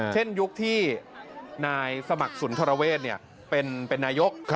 เช่นยุคที่นายสมัครศุนย์ธรเวชเป็นนายก